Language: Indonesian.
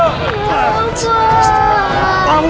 badan pak ustadz